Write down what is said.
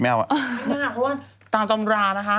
เพราะว่าตามตำรานะคะ